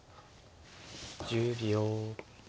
１０秒。